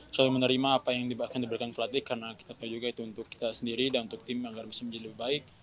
selalu menerima apa yang akan diberikan pelatih karena kita tahu juga itu untuk kita sendiri dan untuk tim agar bisa menjadi lebih baik